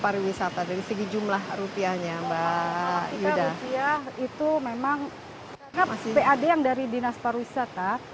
pariwisata dari segi jumlah rupiahnya mbak ida itu memang pad yang dari dinas pariwisata